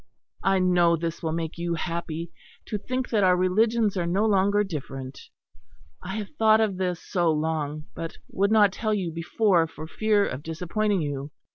I know this will make you happy to think that our religions are no longer different. I have thought of this so long; but would not tell you before for fear of disappointing you.